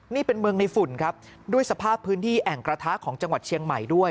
นี่เป็นเมืองในฝุ่นครับด้วยสภาพพื้นที่แอ่งกระทะของจังหวัดเชียงใหม่ด้วย